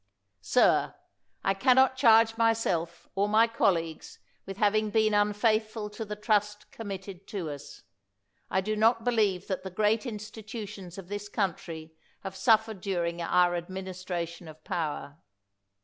Sir, I can not charge myself or my col leags with having been unfaithful to the trust committed to us. I do not believe that the great institutions of this country have suffered during our administration of power.